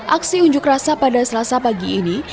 aksi unjuk rasa pada selasa pagi ini